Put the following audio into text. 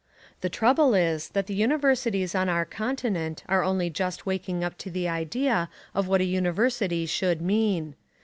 The trouble is that the universities on our Continent are only just waking up to the idea of what a university should mean.